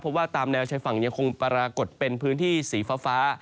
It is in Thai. เพราะว่าตามแนวชายฝั่งยังคงปรากฏเป็นพื้นที่สีฟ้า